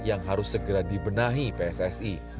yang harus segera dibenahi pssi